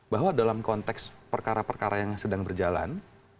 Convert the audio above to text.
bahwa dalam konteks perkara perkara yang sedang berjalan